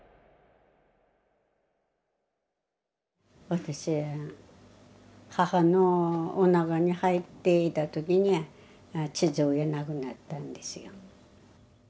私母のおなかに入っていた時に父親亡くなったんですよ。